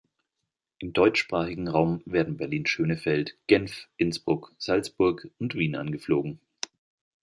Im deutschsprachigen Raum werden Berlin-Schönefeld, Genf, Innsbruck, Salzburg und Wien angeflogen.